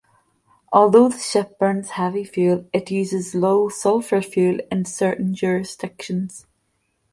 Although the ship burns heavy fuel, it uses low-sulphur fuel in certain jurisdictions.